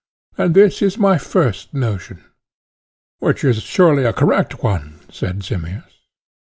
And this is my first notion. Which is surely a correct one, said Simmias.